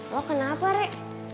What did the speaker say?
lo kenapa rek